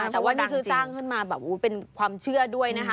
แต่ว่านี่คือสร้างขึ้นมาแบบเป็นความเชื่อด้วยนะคะ